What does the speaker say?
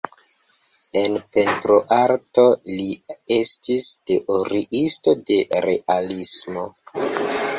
En pentroarto li estis teoriisto de realismo.